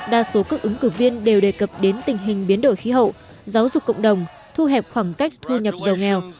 đa số các ứng cử viên đều đề cập đến tình hình biến đổi khí hậu giáo dục cộng đồng thu hẹp khoảng cách thu nhập giàu nghèo